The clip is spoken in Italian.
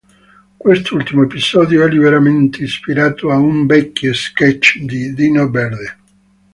Quest'ultimo episodio è liberamente ispirato a un vecchio sketch di Dino Verde.